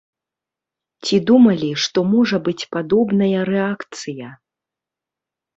Ці думалі, што можа быць падобная рэакцыя?